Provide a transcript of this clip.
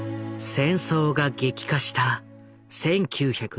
戦争が激化した１９４１年。